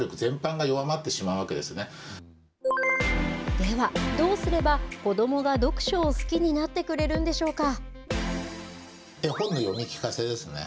では、どうすれば子どもが読書を好きになってくれるんでしょうか。